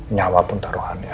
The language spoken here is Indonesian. nyawa pun taruhannya